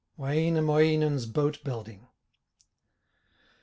WAINAMOINEN'S BOAT BUILDING.